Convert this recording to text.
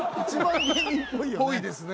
ぽいですね。